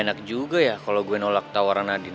gak enak juga ya kalau gue nolak tawaran nadin